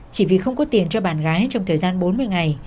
chỉ vì không có tiền cho bạn gái trong thời gian bốn mươi ngày